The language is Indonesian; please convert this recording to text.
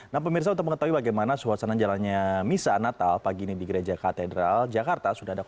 nah pemirsa untuk mengetahui bagaimana suasana jalannya misa natal pagi ini di gereja katedral jakarta